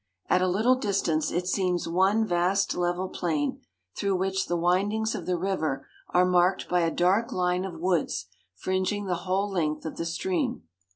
At a little distance it seems one vast level plain, through which the windings of the river are marked by a dark line of woods fringing the whole length of the stream.